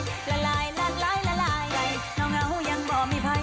ละลายละลายละลายไอ้เหงายังบอกมีใคร